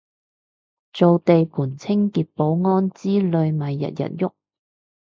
做地盤清潔保安之類咪日日郁